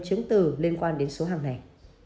chứng từ liên quan đến số hàng này